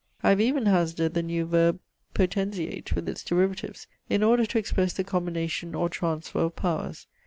I have even hazarded the new verb potenziate, with its derivatives, in order to express the combination or transfer of powers.